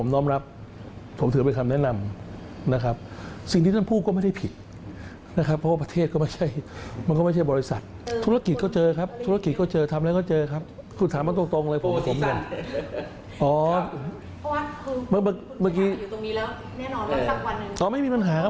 ต่อไม่มีปัญหาครับผมโอเคครับก็ถามมา